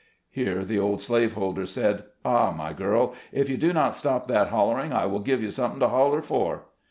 Here the old slave holder said, "Ah, my girl ! if you do not stop that hollering, I will give you something to holler for."